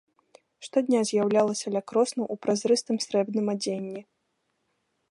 Штодня з'яўлялася ля кроснаў у празрыстым срэбным адзенні.